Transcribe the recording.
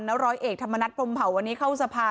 แล้วร้อยเอกธรรมนัฐพรมเผาวันนี้เข้าสภา